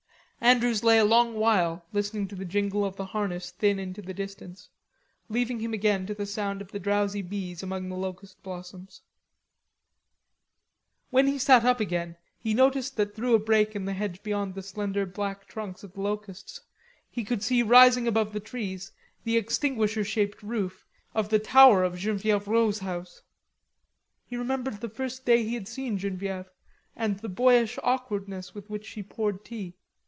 Andrews lay a long while listening to the jingle of the harness thin into the distance, leaving him again to the sound of the drowsy bees among the locust blossoms. When he sat up, he noticed that through a break in the hedge beyond the slender black trunks of the locusts, he could see rising above the trees the extinguisher shaped roof of the tower of Genevieve Rod's house. He remembered the day he had first seen Genevieve, and the boyish awkwardness with which she poured tea.